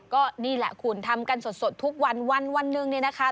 ก็นี่ละมุนทำการสดสดทุกวันวันวันหนึ่งเนี่ยนะคะ